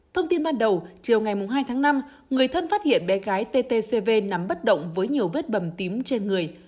thông tin ban đầu chiều ngày hai tháng năm người thân phát hiện bé gái ttcv nắm bắt động với nhiều vết bầm tím trên người